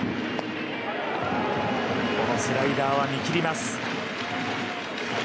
このスライダーは見切ります。